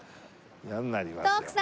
嫌になりますよ。